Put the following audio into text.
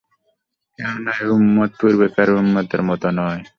কেননা, এই উম্মত পূর্বেকার উম্মতের মত নয়।